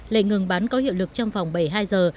lệnh ngừng bắn có hiệu lực trong vòng bảy mươi hai giờ